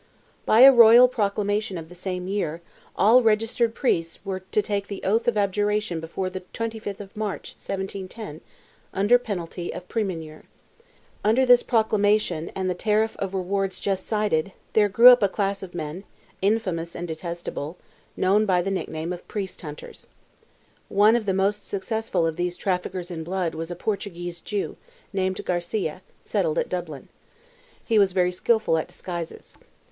By a royal proclamation of the same year, "all registered priests" were to take "the oath of abjuration before the 25th of March, 1710," under penalty of premunire. Under this proclamation and the tariff of rewards just cited, there grew up a class of men, infamous and detestable, known by the nickname of "priest hunters." One of the most successful of these traffickers in blood was a Portuguese Jew, named Garcia, settled at Dublin. He was very skilful at disguises.